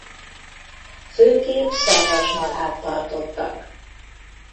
Főképp szarvasmarhát tartottak.